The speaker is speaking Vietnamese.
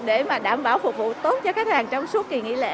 để mà đảm bảo phục vụ tốt cho khách hàng trong suốt kỳ nghỉ lễ